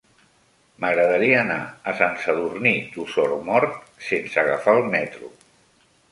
M'agradaria anar a Sant Sadurní d'Osormort sense agafar el metro.